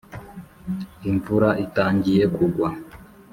imvura itangiye kugwa